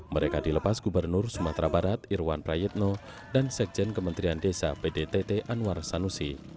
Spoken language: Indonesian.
mereka dilepas gubernur sumatera barat irwan prayitno dan sekjen kementerian desa pdtt anwar sanusi